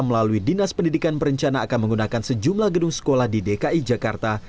melalui dinas pendidikan berencana akan menggunakan sejumlah gedung sekolah di dki jakarta